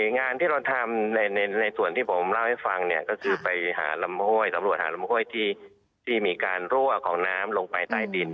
งานที่เราทำในส่วนที่ผมเล่าให้ฟังเนี่ยก็คือไปหาลำห้วยสำรวจหาลำห้วยที่มีการรั่วของน้ำลงไปใต้ดิน